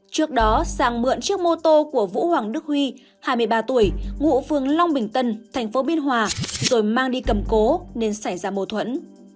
trước đó sang mượn chiếc mô tô của vũ hoàng đức huy hai mươi ba tuổi ngụ phường long bình tân thành phố biên hòa rồi mang đi cầm cố nên xảy ra mâu thuẫn